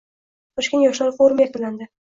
Toshkent yoshlari forumi yakunlandi